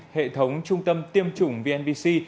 hệ thống trung tâm tiêm chủng vnvc